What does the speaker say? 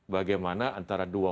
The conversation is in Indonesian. bagaimana antara dua